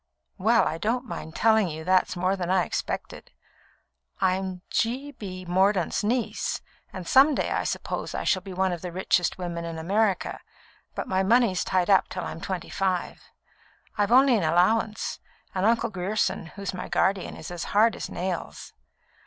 "Well, I don't mind telling you that's more than I expected. I'm G. B. Mordaunt's niece, and some day I suppose I shall be one of the richest women in America, but my money's tied up till I'm twenty five. I've only an allowance, and Uncle Grierson, who is my guardian, is hard as nails.